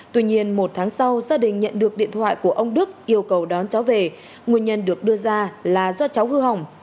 tuy nhiên một tháng sau gia đình nhận được điện thoại của ông đức yêu cầu đón cháu về nguyên nhân được đưa ra là do cháu hư hỏng